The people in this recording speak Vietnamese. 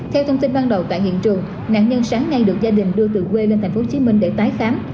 theo thông tin ban đầu tại hiện trường nạn nhân sáng nay được gia đình đưa từ quê lên thành phố hồ chí minh để tái khám